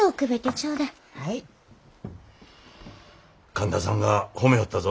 神田さんが褒めよったぞ。